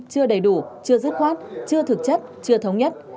chưa đầy đủ chưa dứt khoát chưa thực chất chưa thống nhất